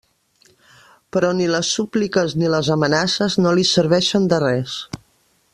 Però ni les súpliques ni les amenaces no li serveixen de res.